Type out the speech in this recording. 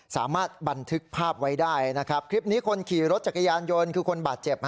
สามารถบันทึกภาพไว้ได้นะครับคลิปนี้คนขี่รถจักรยานยนต์คือคนบาดเจ็บ